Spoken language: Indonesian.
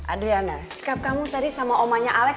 adriana sikap kamu tadi sama omannya alex